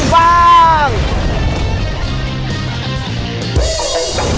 กินรังฟัง